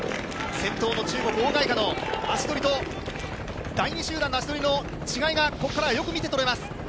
先頭の中国、オウ・ガイカの足取りと第２集団の足取りの違いがここからよく見て取れます。